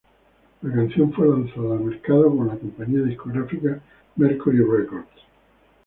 La canción fue lanzada al mercado con la compañía discográfica Mercury Records.